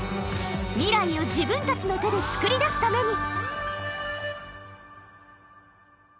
［未来を自分たちの手でつくり出すために］